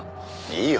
いいよ